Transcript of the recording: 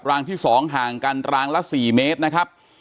รางที่๒ห่างกันรางละ๔เมตรนะครับ